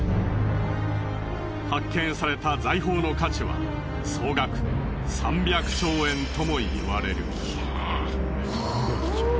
発見された財宝の価値は総額３００兆円ともいわれる。